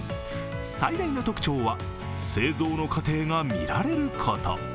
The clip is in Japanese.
最大の特徴は製造の過程が見られること。